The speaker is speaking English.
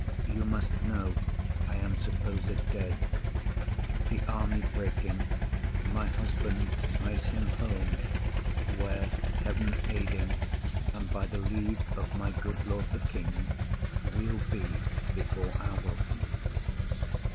You must know I am supposed dead. The army breaking, My husband hies him home, where, heaven aiding, And by the leave of my good lord the king, We'll be before our welcome.